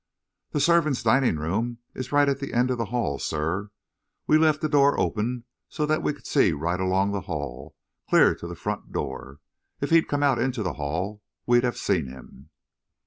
"The servants' dining room is right at the end of the hall, sir. We left the door open so that we could see right along the hall, clear to the front door. If he'd come out into the hall, we'd have seen him."